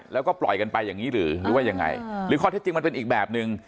แล้วก็ปล่อยกันไปอย่างนี้หรือหรือว่ายังไงหรือข้อเท็จจริงมันเป็นอีกแบบนึง